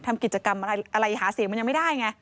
ทำกิจกรรมอะไรหาเสียงมันยังไม่ได้ไง